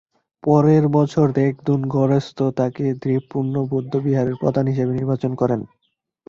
পরের বছর দ্গে-'দুন-র্গ্যা-ম্ত্শো তাকে দ্রেপুং বৌদ্ধবিহারের প্রধান হিসাবে নির্বাচন করেন।